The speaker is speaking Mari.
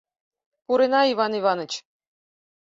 Пурена, Иван Иваныч...